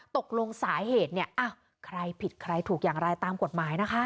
ตกลงสาเหตุเนี่ยอ้าวใครผิดใครถูกอย่างไรตามกฎหมายนะคะ